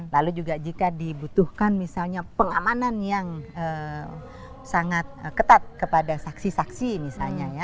lalu juga jika dibutuhkan misalnya pengamanan yang sangat ketat kepada saksi saksi misalnya ya